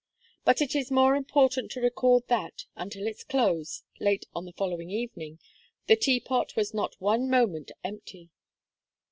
But it is more important to record that, until its close, late on the following evening, the Teapot was not one moment empty.